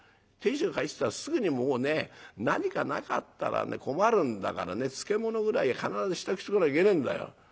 亭主が帰ってきたらすぐにもうね何かなかったら困るんだからね漬物ぐらい必ず支度しとかなきゃいけねえんだよ。